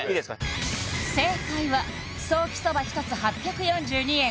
正解はソーキそば１つ８４２円